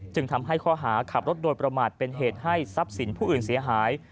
จึงทำให้ข้อหาขับรถโดยประมาทเป็นเหตุให้ทรัพย์สินผู้อื่นเสียหาย